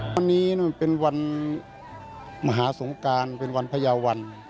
วันนี้มันเป็นวันมหาสงการเป็นวันพญาวัน